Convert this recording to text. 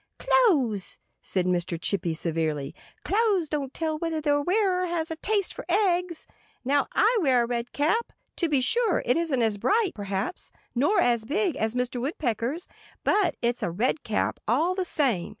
"Clothes—" said little Mr. Chippy severely—"clothes don't tell whether their wearer has a taste for eggs. Now, I wear a red cap. To be sure, it isn't as bright, perhaps, nor as big, as Mr. Woodpecker's. But it's a red cap, all the same.